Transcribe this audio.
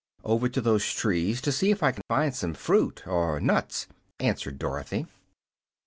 "Over to those trees, to see if I can find some fruit or nuts," answered Dorothy.